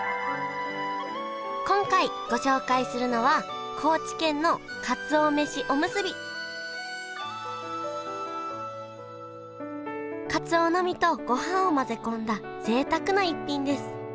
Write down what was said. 今回ご紹介するのはかつおの身とごはんを混ぜ込んだぜいたくな逸品です。